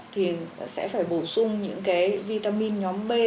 thì sẽ phải bổ sung những cái vitamin nhóm b